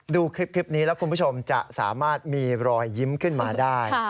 ดูคลิปนี้แล้วคุณผู้ชมจะสามารถมีรอยยิ้มขึ้นมาได้